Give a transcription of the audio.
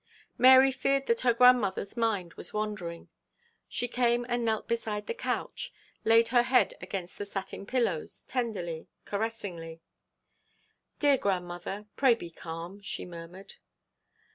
Mary feared that her grandmother's mind was wandering. She came and knelt beside the couch, laid and her head against the satin pillows, tenderly, caressingly. 'Dear grandmother, pray be calm,' she murmured.